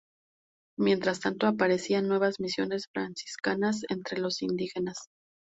Mientras tanto aparecían nuevas misiones franciscanas entre los indígenas.